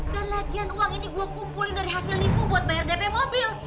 dan lagian uang ini gue kumpulin dari hasil nipu buat bayar dp mobil